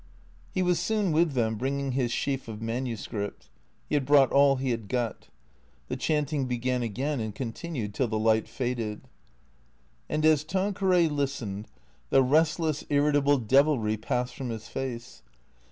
He was soon with them, bringing his sheaf of manuscript. He had brought all he had got. The chanting began again and continued till the light failed. And as Tanqueray listened the restless, irritable devilry passed from his face.